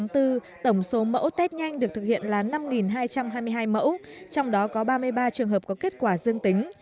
tổng số mẫu test nhanh được thực hiện là năm hai trăm hai mươi hai mẫu trong đó có ba mươi ba trường hợp có kết quả dương tính